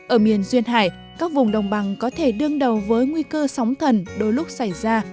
ở miền duyên hải các vùng đồng bằng có thể đương đầu với nguy cơ sóng thần đôi lúc xảy ra